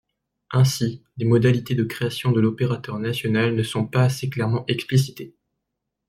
Ainsi, les modalités de création de l’opérateur national ne sont pas assez clairement explicitées.